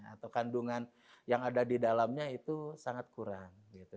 atau kandungan yang ada di dalamnya itu sangat kurang